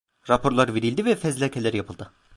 Raporlar verildi ve fezlekeler yapıldı.